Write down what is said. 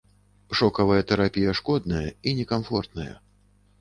Шокавая тэрапія шкодная і некамфортная.